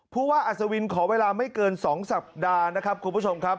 ผู้ว่าอัศวินขอเวลาไม่เกิน๒สัปดาห์นะครับคุณผู้ชมครับ